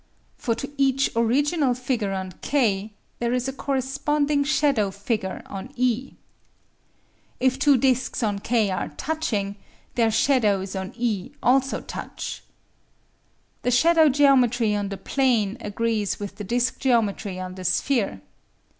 For to each original figure on K there is a corresponding shadow figure on E. If two discs on K are touching, their shadows on E also touch. The shadow geometry on the plane agrees with the the disc geometry on the sphere.